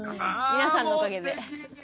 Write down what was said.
皆さんのおかげで。